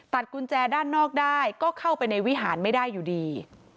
กุญแจด้านนอกได้ก็เข้าไปในวิหารไม่ได้อยู่ดี